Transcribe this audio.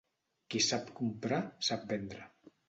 Qui sap comprar, sap vendre.